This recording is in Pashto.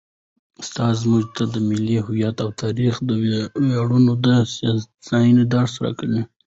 استاد موږ ته د ملي هویت او تاریخي ویاړونو د ساتنې درس راکوي.